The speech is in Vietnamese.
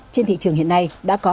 trên thị trường hiện nay đã có